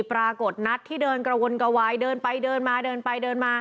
ปรากฏนัดที่เดินกระวนกระวายเดินไปเดินมาเดินไปเดินมา